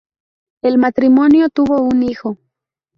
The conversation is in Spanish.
El matrimonio tuvo un hijo.